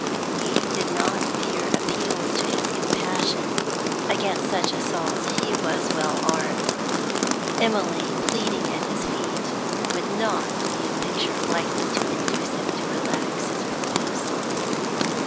He did not fear appeals to his compassion; against such assaults he was well armed. Emily pleading at his feet would not be a picture likely to induce him to relax his purpose.